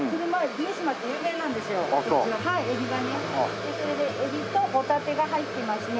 それでエビとホタテが入ってますね。